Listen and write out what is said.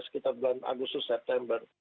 sekitar bulan agustus september